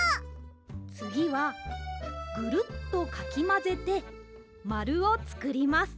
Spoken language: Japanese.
つぎはぐるっとかきまぜてまるをつくります。